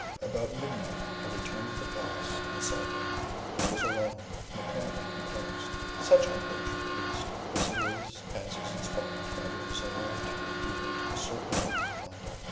About midnight I returned to the palace and sought Raymond; he was alone, and apparently composed; such composure, at least, was his as is inspired by a resolve to adhere to a certain line of conduct.